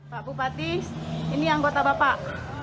pak bupati ini anggota bapak